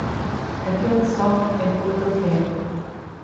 Aquele que sofre é porque ele quer.